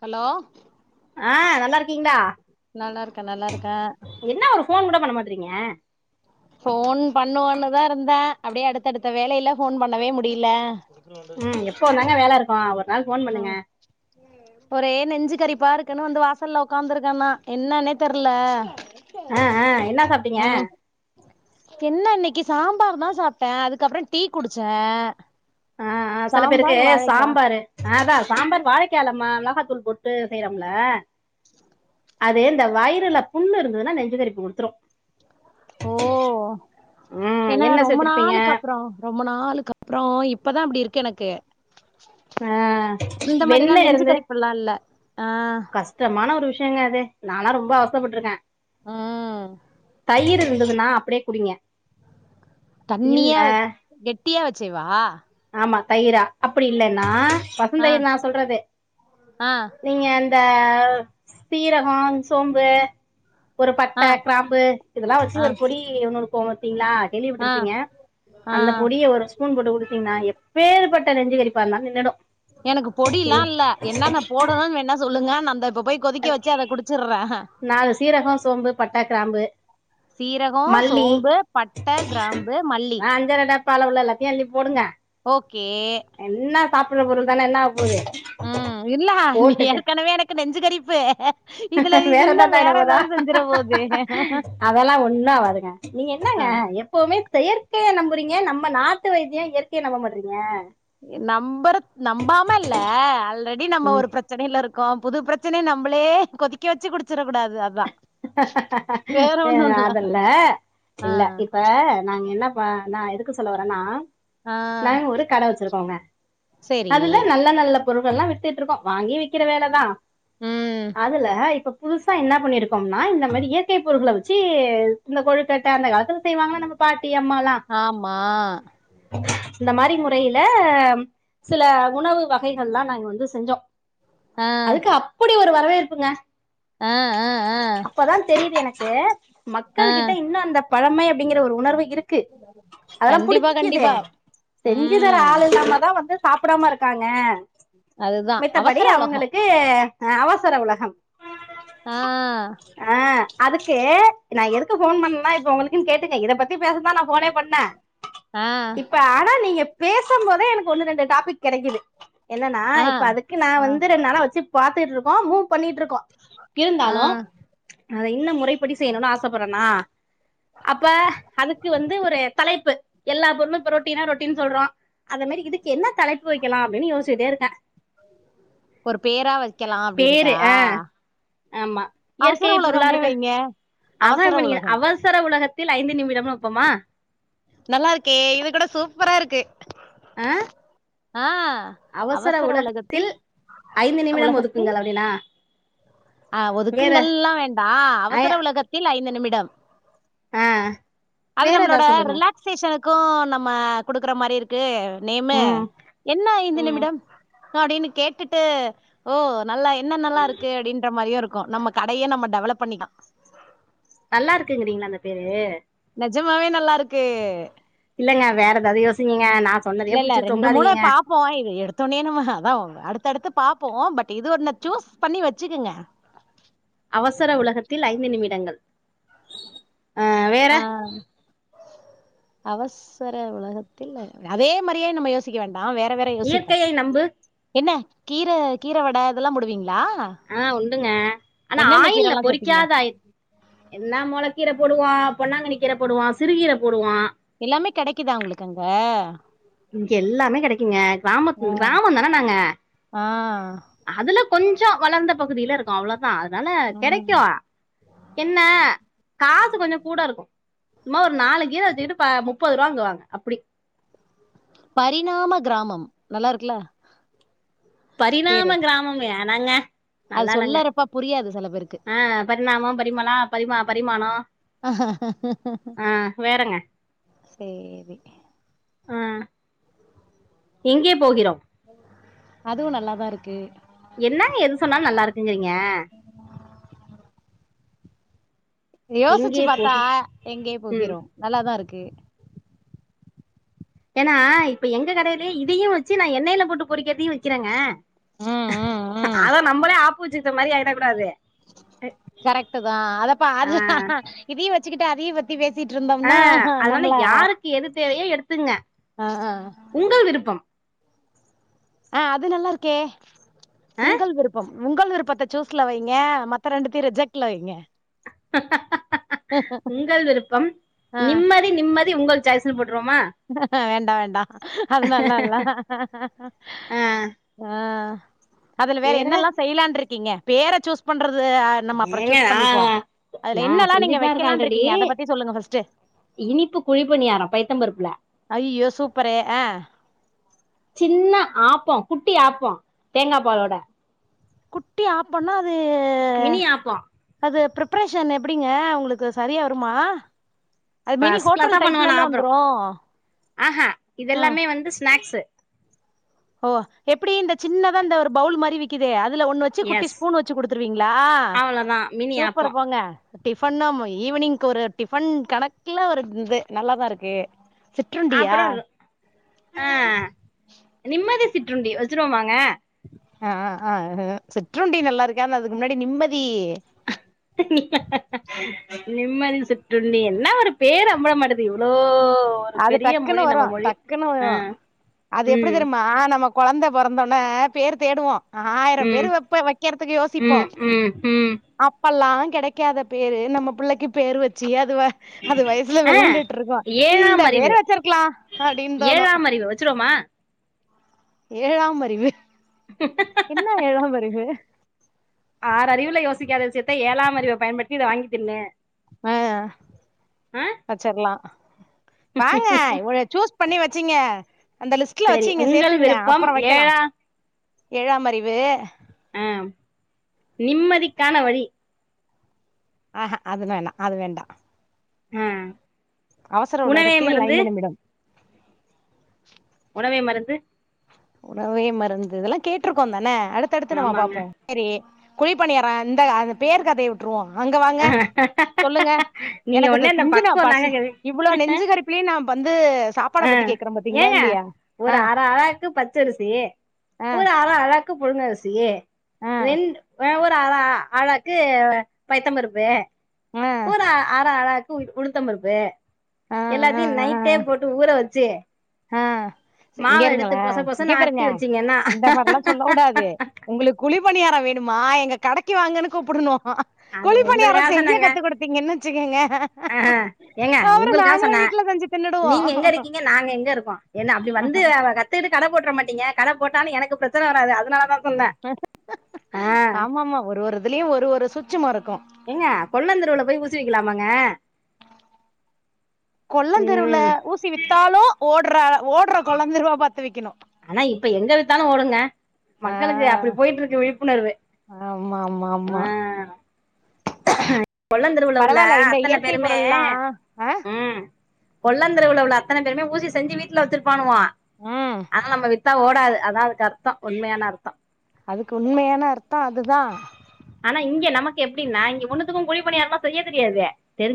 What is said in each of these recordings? hello ஆ நல்லார்க்கீங்ளா நல்லார்க்கே நல்லார்க்கே என்ன ஒரு போன் கூட பண்ண மாட்றீங்க போன் பண்ணுவோன்னுதா இருந்த அப்டியே அடுத்தடுத்த வேலைல போன் பண்ணவே முடியல ம் எப்போ வந்தாங்க வேலை இருக்கு ஹ் ஒரே நெஞ்சு கரிப்பா இருக்குன்னு வந்து வாசல்ல உகாந்துருக்கனா என்னன்னே தெர்ல ஆஹ் ஆஹ் என்னா சாப்ட்டீங்க ம் என்ன இன்னைக்கு சாம்பார் தா சாப்டே அதுக்கப்பறம் டீ குடிச்சே ஆஹ்ஆ சில பேருக்கு சாம்பார் வாழைக்கா சாம்பாரு அஹ் அதா சாம்பார் வாழைக்காள மா ளகாத்தூள் போட்டு செய்யறோம்ல அது இந்த வயிறுல புண்ணு இருந்ததுன்னா நெஞ்சு கரிப்பு குடுத்துரும் ஓ ம் ஏன்னா என்ன ரொம்ப சேர்த்துருப்பீங்க நாளுக்கு அப்றோ ரொம்ப நாளுக்கு அப்றோ இப்பதா அப்டி இருக்கு எனக்கு ஆ, இந்த மாரிலா வெண்ணெய் நெஞ்சு இருந்து கரிப்பல்லா இல்ல ஆஹ் கஷ்டமான ஒரு விஷயங்க அது நாளா ரொம்ப அவஸ்தபட்டுருக்கே ம் தயிறு இருந்ததுன்னா அப்படியே குடிங்க இல்ல தண்ணியா வெச் கெட்டியா வெச்சேவா ஆமா தயிர அப்படி இல்லன்னா ஆ பசுந்தயிர் நா சொல்றது ஆ நீங்க த சீரகம் சோம்பு ஒரு ஆ பட்டை கிராம்பு இதெல்லா ஆ வச்சு ஒரு பொடி ஒன்னுருக்கு பாத்தீங்ளா கேள்வி ஆ பட்டுருப்பீங்க ஆ அந்த பொடிய ஒரு ஸ்பூன் போட்டு குடிடுத்தீங்னா எப்பேர்பட்ட நெஞ்சு கறிப்பாந்தா நின்னுடு எனக்கு பொடில்லா இல்ல என்னான்னா போடணுன்னு வேனா சொல்லுங்க நா இந்தா இப்ப போய் கொதிக்க வச்சு அத குடு ச்சிர்ர நாலு சீரகோ சோம்பு பட்ட கிராம்பு சீரகோ மல்லி சோம்பு பட்ட கிராம்பு மல்லி அஞ்சரை டப்பால உள்ள எல்லாத்தையு உள்ள அள்ளி போடுங்க ஓகே என்னா சாப்பிடற பொருள் தானே என்ன ஆவபோது ம் இல்ல நீ ஏற்கனவே எனக்கு நெஞ்சு கரிப்பு இதுல இது வேற இன்னு எதாதுதாயிட போதா ஏதாவது செஞ்சிட போது அதெல்லா ஒண்ணு ஆவதுங்க நீங்க ஆ என்னங்க எப்பவுமே செயற்கைய நம்புறீங்க நம்ம நாட்டு வைத்திய இயற்கைய நம்ப மாட்றீங்க நம்பறத் நம்பாம இல்ல ஆல்ரெடி நம்ம ம் ஒரு பிரச் சனையில இருக்கோ புது பிரச்சனைய நம்மளே கொதிக்க வச்சு குடிச்சிட கூடாது அதா வேற ஒண்ணு இல்ல அதல்ல ஆ இல்ல இப்ப நாங்க என்னப் ப நா எதுக்கு சொல்ல வறேனா ஆ நாங்க ஒரு கடை வச்சிருக்கோங்க செரி அதுல நல்ல நல்லப் பொருள்கல்லா வித்துட்டுருக்கோ வாங்கி விக்கிற வேல தா ம் அதுல இப்ப புதுசா என்ன பண்ணிருக் இந்த மாரி இயற்கை பொருள்கள வச்சு இந்த கொழுக்கட்டை அந்த காலத்தில் செய்வாங்கள நம்ம பாட்டி அம்மாலா ஆமா இந்த மாரி முறையில சில உணவு வகைகள்லா நாங்க வந்து செஞ்சோ ஆ அதுக்கு அப்படி ஒரு வரவேற்ப்புங்க ஆஹ் ஹ் ஹ் பதா தெரியுது எனக்கு மக்கள்கிட்ட இன்னு அந்த பழமை அப்டிங்கிற ஒரு உணர்வு இருக்கு அதல்லா கண்டிப்பா புடிக்குதே கண்டிப்பா செஞ்சுதா ம் ஆள் இல்லாம தா வந்து சாப்டாம இருக்காங்க அதுதா மித்தபடி அவசர உலகோ அவங்களுக்கு அவசர உலகம் ஆ ஆ அதுக்கு நா எதுக்கு ஃபோன் பண்ணா இப்ப உங்களுக்குன் கேட்டுங்க இத பத்தி பேசத்தா நா ஃபோனே பண்ணே ஆ இப்ப [unintelligible] நீங்க பேசம்போதே எனக்கு ஒன்னு ரெண்டு டாபிக் கெடைக்குது என்னன்னா ஆ இப்ப அதுக்கு நா ஆ வந்து ரெண் நாளா வெச்சு பாத்துட்ருக்கோ மூ பண்ணிட்ருக்கோ ஆ இருந்தாலு அத இன்னு முறைப்படி செய்யணுன் ஆசப்படுறேனா அப்ப அதுக்கு வந்து ஒரு தலைப்பு எல்லா பொருளு இப்ப ரொட்டீனா ரொட்டீன் சொல்றோ அதுமாரி இதுக்கு என்ன தலைப்பு வெய்க்கலா அப்டின் யோசிச்சிட்டேருக்கே ஒரு பேரா வெக்கலா அப்டின்ட்டா பேரு ஆ ஆமா அவசர இயற்கை பொருளா உலகம்னே இருக்கு வைங்க அதா அவசர இப்ப நீங்க உலகம் அவசர உலகத்தில் ஐந்து நிமிடம்னு வெப்பமா நல்லாருக்கே இது கூட சூப்பரா இருக்கு ஆ ஆ அவசர உலகத்தின் உலகத்தில் னா அ ஒதுக்குங்கள்லா வேண்டா ஐ அவசர உலகத்தில் ஐந்து நிமிடம் ஆ அது வேற நம்மளோட ஏதாவது சொல்லுங்க ரிலாக்சேஷனுக்கு நம்ம குடுக்கற மாரி இருக் கு நேமு ம் என்ன ஐந்து ம் நிமிடம் அப்டினு கேட்டுட்டு ஓ நல்லா என்னென்னல்லா இருக்கு அப்டின்ற மாரியு இருக்கு நம்ம கடையே நம்ம டெவலப் பண்ணி தா நல்லா இருக்குங்கிறீங்ளா அந்த பேரு நெஜமாவே நல்லாருக்கு இல்லங்க வேற எதாது யோசி நீங்க நா சொன்னதையே இல்ல இல்ல புடிச்சு ரெண்டு தொங்காதி நீங்க [unintelligible] இது எடுத்தோட்னே நாம அதா அடுத்தடுத்து பாப்போ பட் இது ஒன்ன சூஸ் பண்ணி வெச்சுக்குங்க அவசர உலகத்தில் ஐந்து நிமிடங்கள் அ வேற ஆ அவசர உலகத்தில் அதே மாரியே நம்ம யோசிக்க வேண்டா வேற வேற யோசிப்போ இயற்கையை நம்பு என்ன கீர கீர வட அதெல்லா போடுவீங்ளா ஆ உண்டுங்க ஆனா ஆயில்ல சேப்பீங்க பொரிக்காத ஆ என்ன மொளக்கீர போடுவோ பொன்னாங்கன்னி கீர போடுவோ சிறுகீர போடுவோ எல்லாமே கெடைக்குதா உங்களுக்கு அங்க இங்க எல்லாமே கெடைக்குங்க கிராமத் ஆ கிராம தான நாங்க ஆ அதுல கொஞ்சோ வளர்ந்த பகுதியில இருக்கோ அவ்ளோ தா அதனால கெடைக்கு ம் என்ன காசு கொஞ்சோ கூட இருக்கு சும்மா ஒரு நாலு கீர வெச்சுகிட்டு ப முப்பதுருவாங்கு வாங்க அப்டி பரிணாம கிராமம் நல்லாருக்குல்ல பரிணாம கிராமம் வேணாங்க அது நல்லால்லங்க சொல்லறப்ப புரியாது சில பேருக்கு ஆ பரிணாமம் பரிமளா பரிமா பரிமாணோ சேரி ஆ எங்கே போகிறோ அதுவு நல்லாதா இருக்கு என்னங்க எது சொன்னாலு நல்லா இருக்குங்றீங்க யோசிச்சு எங்கே பாத்தா போகி எங்கே ம் போகிறோம் நல்லாதா இருக்கு ஏனா இப்ப எங்க கடைலே இதையு வெச்சு நா எண்ணெய்ல போட்டு பொரிக்கிறதையு விக்கிறங்க ம் ம் ம் அதா நம்மளே ஆப்பு வெச்சிக்ட்ட மாரி ஆயிட கூடாது கரெக்ட்டு தா அதப்பா ஆ அது இதியு வெச்சுக்கிட்டு அதையு பத்தி ஆ பேசிட்ருந்தம்னா அதனால நம்மள யாருக்கு எது தேவையோ எடுத்துங்க அ அ உங்கள் விருப்பம் ஆ அது நல்லா இருக்கே ஆ உங்கள் விருப்பம் உங்கள் விருப்பத்த சூஸ்ல வைங்க மத்த ரெண்டுத்தையு ரிஜெக்ட்ல வைங்க உங்கள் விருப்பம் ஆ நிம்மதி நிம்மதி உங்கள் சாய்ஸ்ன்னு போட்ருவோமா வேண்டா வேண்டா அது நல்லால்ல ஆ ஆ அதுல வேற என்னல்லா செய்யலான்ருக்கீங்க பேர சூஸ் பண்றது நம்ம அப்புறோ ஏங்க சூஸ் பண்ணிப்போ நான் அதுல நான் என்னல்லா நீங்க செஞ்சுட்டு தான் இருக்கேன் வெக்கலானு ஆல்ரெடி ருக்கீங்க அத பத்தி சொல்லுங்க ஃபஸ்ட்டு இனிப்பு குழி பணியாரோ பைத்தம் பருப்புல அய்யய்யோ சூப்பரு ஆ சின்ன ஆப்போ குட்டி ஆப்போ தேங்கா பாலோட குட்டி ஆப்போனா அது மினி ஆப்போ அது ப்ரிப்பரேஷன் எப்படிங்க உங்களுக்கு சரியா வருமா அது மினி ஃபஸ்ட் ஹோட்டல் கிளாஸா பண்ணுவே நா டைப்லல்லா ஆப்பறோ வந்துரு ஆஹா அ இதெல்லாமே வந்து ஸ்நேக்ஸு ஓ எப்பிடி இந்த சின்னதா இந்த ஒரு பவுல் மாரி விக்குதே அதுல ஒண்ணு வச் சு குட்டி எஸ் ஸ்பூன் வச்சு குடுத்துருவீங்களா அவ்ளோதா மினி ஆப்போ சூப்பர் போங்க டிஃபன்னாம் ஈவினிங்க்கு ஒரு டிஃபன் கணக்குல ஒரு இது நல்லாதா இருக்கு சிற்றுண்டியா அப்புறோ ஆ நிம்மதி சிற்றுண்டி வச்சிருவோமாங்க ஆ ஆ ஆ சிற்றுண்டி நல்லா இருக்கு ஆனா அதுக்கு முன்னாடி நிம்மதி நிம்மதி சிற்றுண்டி என்ன ஒரு பேரு அம்பள மாட்டுது இவ்வளோ அது டக்குன்னு வரு டக்குன்னு வரு அது எப்படி ம் தெரியுமா நம்ம கொழந்த பிறந்தோனே பேர் தேடுவோ ஆயிரம் ம் பேர் வப்போ வெக்கறத்துக்கு யோசிப்போ ம் ம் ம் அப்பல்லா கெடைக்காத பேரு நம்ம புள்ளைக்கு பேரு வச்சு அது வே அது வயசுல ஆ வெளாண்டுட்டு ட்ருக்கு இந்த ஏழாம் பேரு அறிவு வெச்சிருக்கலா அப்டின்னு தோணு ஏழாம் அறிவு வச்சிருவோமா ஏழாம் அறிவு என்ன ஏழாம் அறிவு ஆறு அறிவுல யோசிக்காத விசியத்த ஏழாம் அறிவ பயன்படுத்தி இத வாங்கி தின்னு ஆ ஆ வெச்சிருலா வாங்க இவ்ள சூஸ் பண்ணி வச்சீங்க அந்த லிஸ்ட்ல சரி வச்சி இங்க உங்கள் சேத்துங்க விருப்பம் அப்புறோ வெக்கலா ஏழா ஏழா மறிவு ஆ நிம்மதிக்கான வழி ஆ ஆ அதுனா வேண்டா அது வேண்டா ஆ அவசர உணவே உலகத்தில் மருந்து ஐந்து நிமிடம் உணவே மருந்து உணவே மருந்து இதெல்லா கேட்டிருக்கோ தனே அடுத்தடுத்து நம்ம ஆமாங்க பாப்போ சேரி குழிப்பணியாரோ இந்த அந்த பேர் கதைய விட்டுருவோ அங்க வாங்க சொல்லுங்க நீங்க எனக்கத ஒன்னே இந்த திங்கனு பக்குவம் பசி தாங்க கேக்குது இவ்வளோ நெஞ்சு கருப்பிலேயு நா வந்து சாப்பாட ஆ பத்தி கேக்குறே பாத்தீங்களா ஏங்க இல்லையா ஒரு ஆ அற அளாக்கு பச்சரிசி ஆ ஒரு அற அழாக்கு புழுங்கரிசி ஆ ரெண்டு ஆ ஒரு அற அ அழாக்கு கு பைத்தம் பருப்பு ஆ ஒரு அழாவுக்கு உளுத்தம் பருப்பு ஆ ஆ எல்லாத்தையு நைட்டே ஆ போட்டு ஊற வச்சு ஆ மாவை எடுத்து இங்காருங்களே பொச இங்கே பொசன்னு ஆட்டி பாருங்க வச்சீங்கன்னா இந்த மாரில்லா சொல்ல கூடாது உங்களுக்கு குழி பணியாரோ வேணுமா எங்க கடைக்கி வாங்கன்னு கூப்புடணு அது குழி பணியாரோ உங்களுக்கு செய்ய ஆசனங்க கத்து குடுத் தீங்கன்னு வச்சுக்கங்க ஆ ஏங்க அப்பறோ உங்களுக்கு ஆசன நாங்களே வீட்டுல செஞ்சி தின்னுடுவோ நீங்க எங்க இருக்கீங்க நாங்க எங்க இருக்கோ என்ன அப்டி வந்து கத்துக்கிட்டு கட போட்றமாட்டீங்க கட போட்டாலு எனக்கு பிரச்சன வராது அது ஆமாமா ஒரு ஒரு இதுலயு ஒரு ஒரு சூட்சமோ இருக்கு ஏங்க கொள்ளந்தெருவுல போய் ஊசி விக்கலாமாங்க கொள்ளந்தெருவுல உம் ஊசி வித்தாலு ஓடுற ஓடுற கொள்ளந்தெருவா பாத்து விக்கணு ஆனா இப்ப எங்க வித்தாலு ஓடுங்க ஆ மக்களுக்கு அப்டி போயிட்டு இருக்கு விழிப்புணர்வு ஆமா ஆமா ஆமா கொள்ளந்தெருவுல உள்ள பரவால்ல இந்த அத்தன இயற்கை பேருமே பொருள்லா ஆ ம் கொள்ளந்தெருவுல உள்ள அத்தன பேருமே ஊசி செஞ்சி வீட்டுல வச்சிருப்பானுவ ம் அதனால நம்ம வித்தா ஓடாது அதா அதுக்கு அர்த்தோ உண்மையான அர்த்தோ அதுக்கு உண்மையான அர்த்தோ அதுதா ஆனா இங்க நமக்கு எப்டின்னா இங்க ஒண்ணுத்துக்கு குழி பணியாரல்லா செய்ய தெரியாது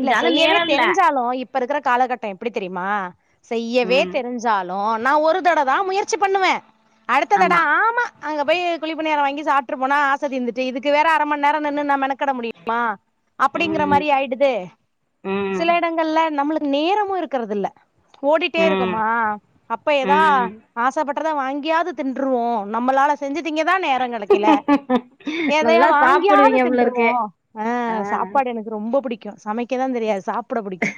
இல்ல செய்யவே நேரம் இல்ல தெரிஞ்சாலு இப்ப இருக்கிற காலகட்டோ எப்டி தெரியுமா செய்யவே உம் தெரிஞ் சாலு நா ஒரு தட தா முயற்சி பண்ணுவே அடுத்த தட ஆமா அங்க போய் குழிபனியாரோ வாங்கி சாப்ட்ரு போனா ஆச தீந்துட்டு இதுக்கு வேற அர மணி நேரோ நின்னு நா மெனக் கெட முடியுமா அப்டிங்கிற உம் மாரி ஆயிடுது ம் சில இடங்கள்ல நம்மளுக்கு நேரமு இருக்குறதில்ல ஓடிட்டே ம் இருக்கமா அப்ப எதா ம் ஆசப்பட் றத வாங்கியாது தின்றுவோ நம்மளால செஞ்சு திங்க தா நேரோ கெடக்கல எதயோ நல்லா வாங்கியாது சாப்புடுவீங்க போல இருக்கு திண்ருவோ ஆ சாப்பாடு எனக் ரொம்ப புடிக்கு சமைக்க தா தெரியாது சாப்ட புடிக்கு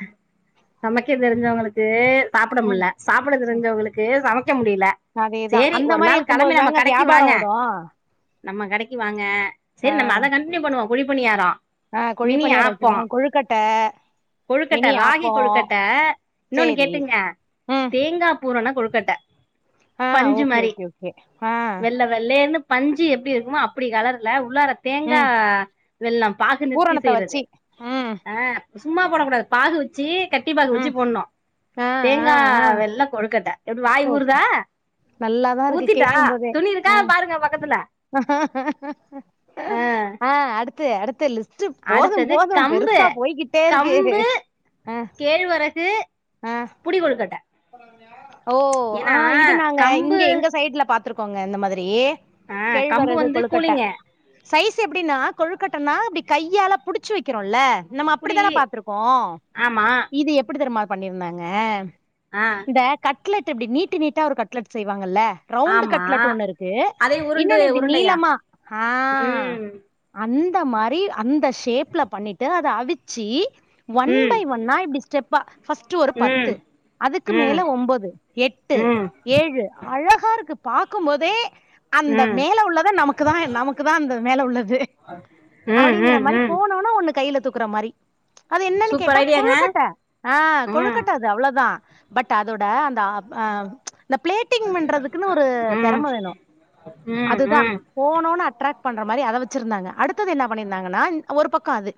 சமைக்க தெரிஞ்சவங்களுக்கு சாப்ட முடில சாப்ட தெரிஞ்சவங்களுக்கு சமைக்க முடில அதேதா சேரி அந்த ஒரு மாரி நாள் இருக்கும்போது கெளம்பி நம்ம தாங்க கடைக்கு வியாபாரோ வாங்க ஓடு நம்ம கடைக்கு வாங்க ஆ சேரி நம்ம அத கண்டினியூ பண்ணுவோ குழிப்பணியாரோ ஆ மினி கொழிப்பனியாரோ ஆப்போ வைக்கணு கொழுக்கட்ட கொழுக்கட்ட மினி ராகி ஆப்போ கொழுக்கட்ட இன்னொன்னு சேரி கேட்டுங்க ம் தேங்கா பூரண கொழுக்கட்ட ஆ பஞ்சு ஓகே மாரி ஓகே ஓகே ஆ வெள்ள வெள்ளேர்ன்னு பஞ்சு எப்டி இருக்குமோ அப்டி கலர்ல உள்ளார தேங்கா ம் வெள்ளம் பாகு நிறுத்தி பூரணத்த செய்றது வச்சி ம் ஆ சும்மா போடக் கூடாது பாகு வச்சு கட்டி பாகு வச்சு ம் போடணு ஆ ஆ தேங்கா ஆ வெள்ள கொழுக்கட்ட எப்டி வாய் ஓ ஊருதா நல்லாதா இருக்கு ஊத்தீட்டா கேக்கும் போதே துணி ஆ இருக்கான்னு பாருங்க பக்கத்துல அ ஆ அடுத்து அடுத்த லிஸ் ட் போது அடுத்தது போது கம்பு பெருசா போய்கிட்டே இருக்கு கம்பு ஆ கேழ்வரகு ஆ புடி கொழுக்கட்ட ஓ ஆ ஏன்னா இது நாங்க கம்பு இங்க எங்க சைடுல பாத்துருக்கோங்க இந்த மாதிரி ஆ கம்பு கேழ்வரகு வந்து கொழுக்கட்ட கூலிங்க சைஸ் எப்டின்னா கொழுக்கட்டனா அப்டி கையால புடிச்சு வக் கிறோல்ல நம்ம புடி அப்டித்தான பாத்துருக்கோ ஆமா இது எப்டி தெர்மா பண்ணிருந்தாங்க ஆ இந்த கட்லெட் இப்டி நீட்டு நீட்டா ஒரு கட்லெட் செய்வாங்கல்ல ரவுண்டு் ஆமா கட்லட் ஒண்ணு இருக்கு அதே உருண்டு இன்னொன்னு இப்டி உருண்டையா நீளமா ஆ ம் அந்த மாரி அந்த ஷேப்ல பண்ணிட்டு அத அவிச்சு ஒன் பை ம் ஒன்னா இப்டி ஸ்டெப்பா ஃபஸ்ட்டு ஒரு பத்து ம் அதுக்கு ம் மேல ஒம்போது எட்டு ம் ஏழு அழகாருக்கு பாக்கும்போதே அந்த ம் மேல உள்ளது நமக்கு தா நமக்கு தா அந்த மேல உள்ளது ம் அவ்டிங்கற ம் மாரி ம் போனொன்னு ஒன்னு கைல தூக்குற மாரி அது என்னன்னு சூப்பர் கேட்டா ஐடியாங்க கொழுக்கட்ட ஆ ம் கொழுக்கட்ட அது அவ்ளதா பட் அதோட அந்த அப் அ ச் இந்த ப்ளேட்டிங் பண்றதுக்குன்னு ஒரு ம் தெறம வேணு ம் அதுதா ம் போனோனு அட்ராக்ட் பண்ற மாரி அத வச்சிருந்தாங்க அடுத்தது என்ன பண்ணிருந்தாங்கனா ஒரு பக்கோ அது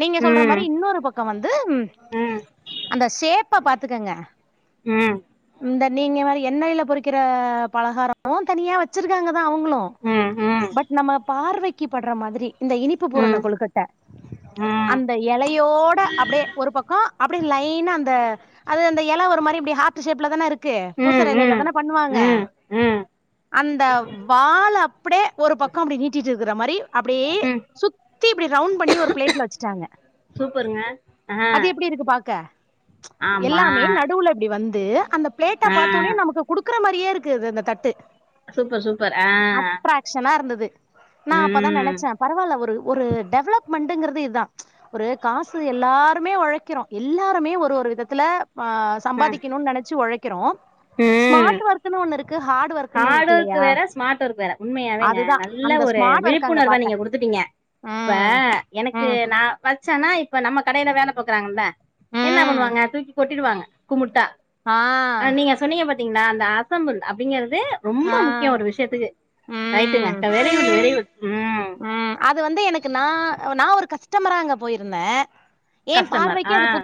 நீங்க சொல்ற ம் மாரி இன்னொரு பக்கோ வந்து ம் அந்த ஷேப்ப பாத்துக்கங்க ம் இந்த நீங்க மரி எண்ணெய்ல பொறிக்கிற பலகாரமு தனியாக வச்சுருக்காங்க தா அவுங்குளு ம் ம் ம் பட் நம்ம பார்வைக் க்கி பட்ற மாதிரி இந்த இனிப்பு பூரண ம் கொழுக்கட்ட ம் அந்த எலையோட அப்டே ஒரு பக்கோ அப்டே லைனா அந்த அது அந்த எல ஒரு மாரி இப்டி ஹார்ட் ஷேப்ல தான இருக் க்கு பூசற ம் எலைல ம் தான பண்ணுவாங்க ம் அந்த வாழ யே ஒரு பக்கோ அப்டி நீட்டிட்டு இருக்குற மாரி அப்டியே ம் சுத்தி இப்டி ரவுண்ட் பண்ணி ஒரு ப்ளேட்ல வைச்சுட்டாங்க சூப்பருங்க ஆ அது எப்டி இருக்கு பாக்க ம்ச் ஆமா எல்லாமே நடுவுல இப்டி வந் து அந்த ப்ளேட்ட ஆ பாத்தோன்னே நமக்கு குடுக்குற மாரியே இருக்கு அது அந்த தட்டு சூப்பர் சூப்பர் ஆ அட்ராக்ஷனா இருந்துது நா அப்பதா ம் நெனச்சே பரவால்ல ஒரு ஒரு டெவலப்மெண்டுங்குறது இது தா ஒரு காசு எல்லாருமே ஒழைக்கிறோ எல்லாருமே ஒரு ஒரு விதத்துல ஆ ம் சம்பாதிக்கிணுன் நெனைச்சு ஒழைக்கிறோ ஸ்மார்ட் ஒர்க்ன்னு ஒன்னு இருக்கு ஹார்டு ஒர்க் ஹார்டு ஒர்க்கு வேற ஸ்மார்ட் ஒர்க் வேற உண்மையாவேங்க அதுதா நல்ல அந்த ஒரு ஸ்மார்ட் ஒர்க் அங்க விழிப்புணர்வ பாத்தே நீங்க குடுத்துட்டிங்க இப்ப ம் எனக்கு ம் நா வச்சன்னா இப்ப நம்ம கடைல வேல பாக்குறாங்கல என்ன ம் பண்ணுவாங்க தூக்கி கொட்டிடுவாங்க குமுட்டா ஆ அ நீ சொன்னிங்க பாத்தீங்களா அந்த அசம்புள் அப்டிங்கறது ரொம்ப ஆ முக்கியோ ஒரு விஷயத்துக்கு ரைட்டுங்க ம் க வெரி குட் வெரி குட் ம் ம் அது வந்து எனக்கு நா நா ஒரு கஸ்டமரா அங்க போயிருந்தே ஏ கஸ்டமர் பார்வைக்கு அது ஆ புது